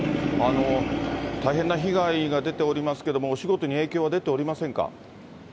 大変な被害が出ておりますけども、お仕事に影響は出ておりま